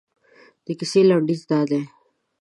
د کیسې لنډیز دادی.